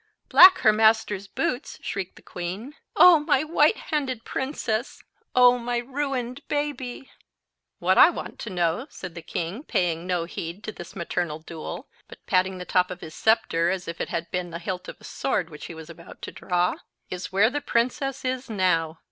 "Black her master's boots!" shrieked the queen. "Oh, my white handed princess! Oh, my ruined baby!" "What I want to know," said the king, paying no heed to this maternal duel, but patting the top of his sceptre as if it had been the hilt of a sword which he was about to draw, "is, where the princess is now."